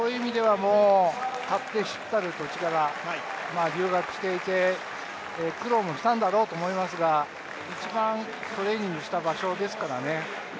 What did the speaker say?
勝手知ったる土地柄、留学していて苦労もしたんだろうと思いますが一番トレーニングした場所ですからね。